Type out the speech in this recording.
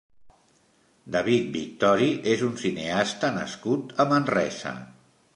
David Victori és un cineasta nascut a Manresa.